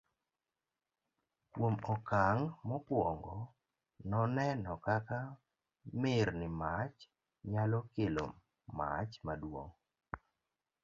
kuom okang' mokuongo noneno kaka mirni mach nyalo kelo mach maduong'